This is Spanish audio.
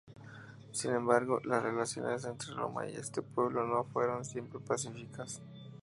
Sin embargo, las relaciones entre Roma y este pueblo no fueron siempre pacíficas.